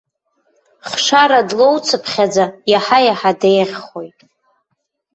Хшара длоуцыԥхьаӡа, иаҳа-иаҳа деиӷьхоит.